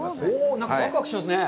なんかわくわくしますね。